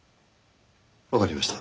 わかりました。